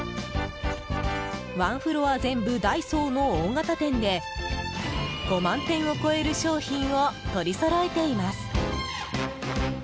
ワンフロア全部ダイソーの大型店で５万点を超える商品を取りそろえています。